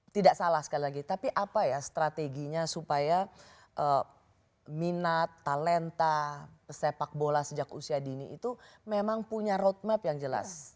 tidak salah sekali lagi tapi apa ya strateginya supaya minat talenta sepak bola sejak usia dini itu memang punya roadmap yang jelas